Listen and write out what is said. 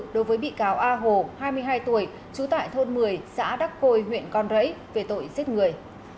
đối với bị cáo a hồ hai mươi hai tuổi trú tại thôn một mươi xã đắc côi huyện con rẫy về tội giết người